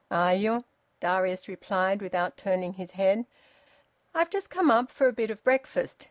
"Are you?" Darius replied, without turning his head. "I've just come up for a bit of breakfast.